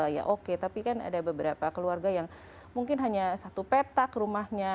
ya oke tapi kan ada beberapa keluarga yang mungkin hanya satu petak rumahnya